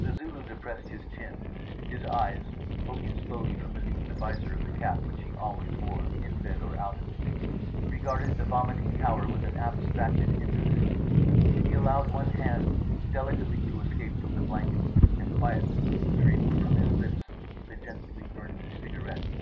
The Zulu depressed his chin; his eyes (poking slowly from beneath the visor of the cap which he always wore, in bed or out of it) regarded the vomiting tower with an abstracted interest. He allowed one hand delicately to escape from the blanket and quietly to remove from his lips the gently burning cigarette.